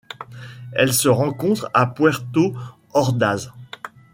Elle se rencontre à Puerto Ordaz.